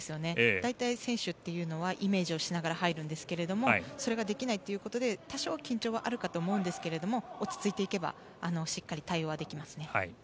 大体、選手というのはイメージしながら入るんですがそれができないということで多少緊張はあると思うんですが落ち着いていけばしっかり対応はできますね。